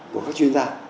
của các chuyên gia